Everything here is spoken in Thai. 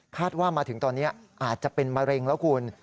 ว่ามาถึงตอนนี้อาจจะเป็นมะเร็งแล้วคุณ